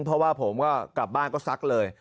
เพราะว่าผมก็กลับบ้านก็ซักเลย